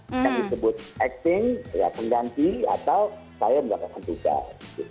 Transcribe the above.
yang disebut acting pengganti atau saya melakukan tugas